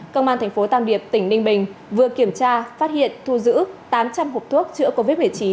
công an tp tam điệp tỉnh ninh bình vừa kiểm tra phát hiện thu giữ tám trăm linh hộp thuốc chữa covid một mươi chín